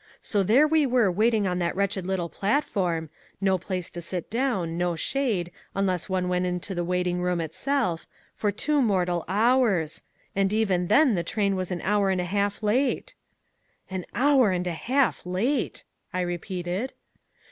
So there we were waiting on that wretched little platform, no place to sit down, no shade, unless one went into the waiting room itself, for two mortal hours. And even then the train was an hour and a half late!" "An hour and a half late!" I repeated.